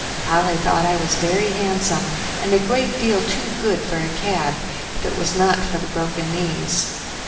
Polly thought I was very handsome, and a great deal too good for a cab, if it was not for the broken knees.